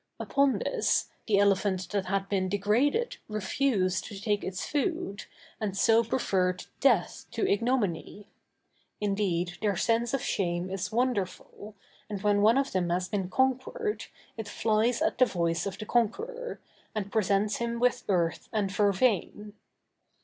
Upon this, the elephant that had been degraded refused to take its food, and so preferred death to ignominy. Indeed their sense of shame is wonderful, and when one of them has been conquered, it flies at the voice of the conqueror, and presents him with earth and vervain.